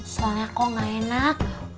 soalnya kok gak enak